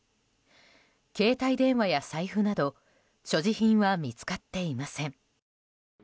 携帯電話や財布など所持品は見つかっていません。